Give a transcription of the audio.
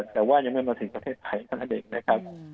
แต่ว่ายังไม่มาถึงประเทศไทยขนาดเด็กนะครับ